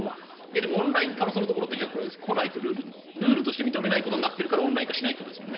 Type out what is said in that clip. でもオンライン化のそのところって来ないとルールとして認めないことになっているからオンライン化しないということですよね。